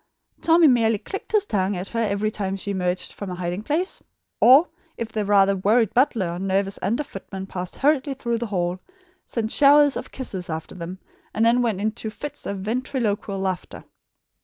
Tommy merely clicked his tongue at her every time she emerged from a hiding place; or, if the rather worried butler or nervous under footman passed hurriedly through the hall, sent showers of kisses after them, and then went into fits of ventriloquial laughter.